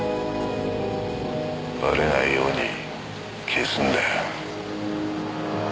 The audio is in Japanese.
バレないように消すんだよ。